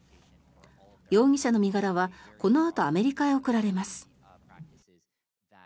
容疑者の身柄はこのあとアメリカへ送られます。